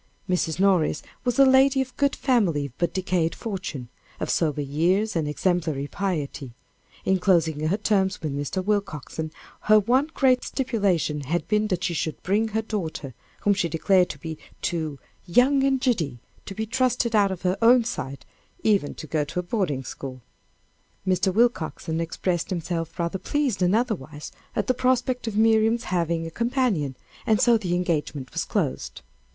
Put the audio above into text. Mrs. Morris was a lady of good family, but decayed fortune, of sober years and exemplary piety. In closing her terms with Mr. Willcoxen, her one great stipulation had been that she should bring her daughter, whom she declared to be too "young and giddy" to be trusted out of her own sight, even to a good boarding school. Mr. Willcoxen expressed himself rather pleased than otherwise at the prospect of Miriam's having a companion, and so the engagement was closed.